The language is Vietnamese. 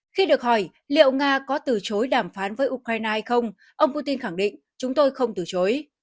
khi được hỏi liệu nga có từ chối đàm phán với ukraine hay không ông putin khẳng định chúng tôi không từ chối